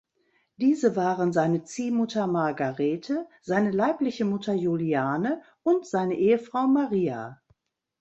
Diese waren seine Ziehmutter Margarete, seine leibliche Mutter Juliane und seine Ehefrau Maria.